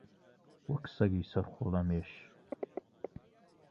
وەک سەگی سەر خۆڵەمێش